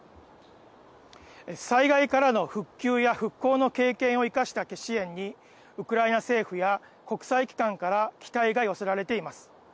災害からの復旧や復興の経験を生かした支援にウクライナ政府や国際機関から期待が寄せられています。